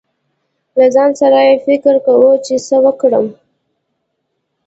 له ځان سره يې فکر کو، چې څه ورکړم.